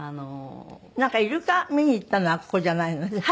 なんかイルカ見に行ったのはここじゃないのね？